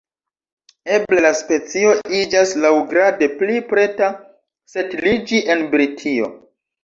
Eble la specio iĝas laŭgrade pli preta setliĝi en Britio.